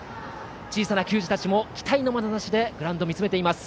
小さな球児たちも期待のまなざしでグラウンドを見つめています。